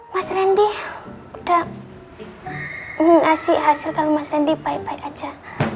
mas randi udah ngasih hasil kalau mas randi bye bye aja